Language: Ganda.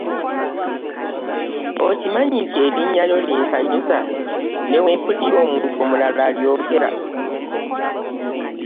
Okimanyi nti erinya lyo linsanyusa ne wempulira muntu mulala alyoogera.